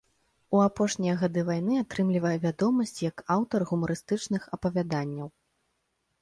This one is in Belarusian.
У апошнія гады вайны атрымлівае вядомасць як аўтар гумарыстычных апавяданняў.